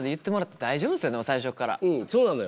うんそうなのよ。